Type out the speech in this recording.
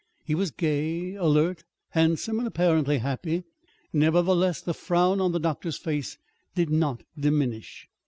He was gay, alert, handsome, and apparently happy. Nevertheless, the frown on the doctor's face did not diminish.